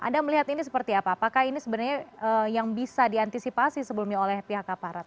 anda melihat ini seperti apa apakah ini sebenarnya yang bisa diantisipasi sebelumnya oleh pihak aparat